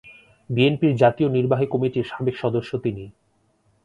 বিএনপির জাতীয় নির্বাহী কমিটির সাবেক সদস্য তিনি।